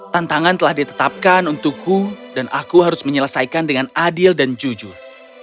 tantangan telah ditetapkan untukku dan aku harus menyelesaikan dengan adil dan jujur